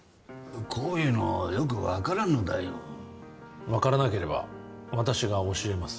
こういうのはよく分からんのだよ分からなければ私が教えます